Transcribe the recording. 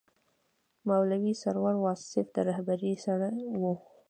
مولوي سرور واصف د رهبرۍ سړی و.